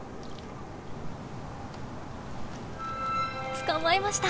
捕まえました！